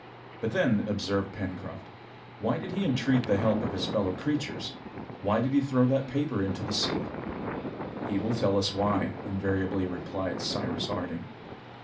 "But then," observed Pencroft, "why did he entreat the help of his fellow creatures? Why did he throw that paper into the sea?" "He will tell us why," invariably replied Cyrus Harding.